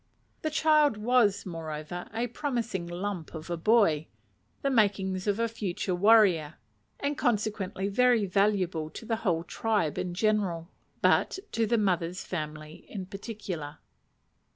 The child was, moreover, a promising lump of a boy, the makings of a future warrior, and consequently very valuable to the whole tribe in general; but to the mother's family in particular.